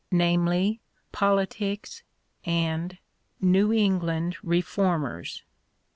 " Politics " and " New England Reformers."